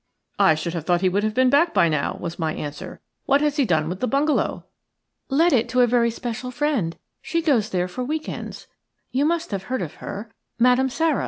"I should have thought he would have been back by now," was my answer. "What has he done with the bungalow?" "Let it to a very special friend. She goes there for week ends. You must have heard of her – Madame Sara."